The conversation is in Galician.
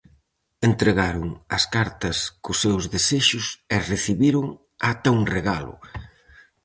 Entregaron as cartas cos seus desexos e recibiron ata un regalo!